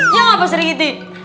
ya pak serikiti